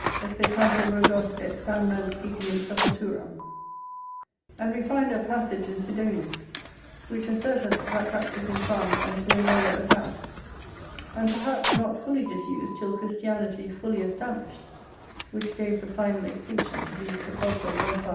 [AN] And we find a passage in Sidonius, which asserteth that practice in France unto a lower account. And, perhaps, not fully disused till Christianity fully established, which gave the final extinction to these sepulchral bonfires.